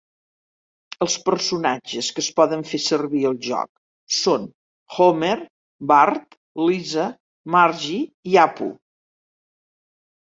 Els personatges que es poden fer servir al joc són Homer, Bart, Lisa, Marge i Apu.